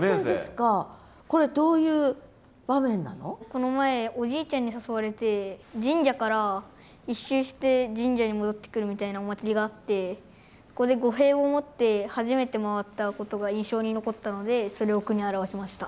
この前おじいちゃんに誘われて神社から１周して神社に戻ってくるみたいなお祭りがあってそこで御幣を持って初めて回ったことが印象に残ったのでそれを句に表しました。